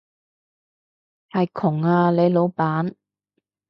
係窮啊，你老闆